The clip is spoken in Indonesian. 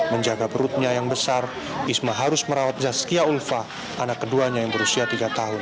menjaga perutnya yang besar isma harus merawat zazkia ulfa anak keduanya yang berusia tiga tahun